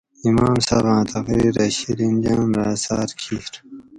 امام صاۤباۤں تقریرہ شیرین جان رہ اثاۤر کیر